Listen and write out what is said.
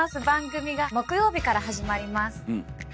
番組が木曜日から始まります。